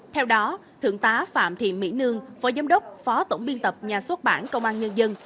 theo đó thượng tá phạm thị mỹ nương phó giám đốc phó tổng biên tập nhà xuất bản công an nhân dân